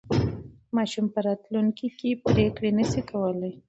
ماشوم په راتلونکي کې پرېکړې نه شي کولای.